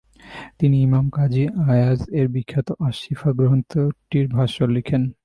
তিনি ইমাম কাজী আয়াজ-এর বিখ্যাত আশ শিফা গ্রন্থটির ভাষ্য লিখেন।